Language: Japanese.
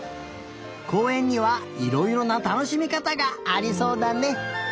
こうえんにはいろいろなたのしみかたがありそうだね。